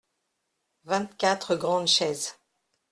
Vingt-quatre grandes chaises.